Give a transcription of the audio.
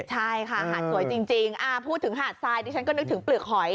ใช่ค่ะหาดสวยจริงพูดถึงหาดทรายดิฉันก็นึกถึงเปลือกหอย